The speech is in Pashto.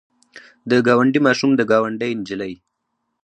د ګاونډي ماشوم د ګاونډۍ نجلۍ.